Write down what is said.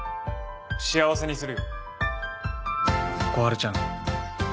幸せにするよ小春ちゃん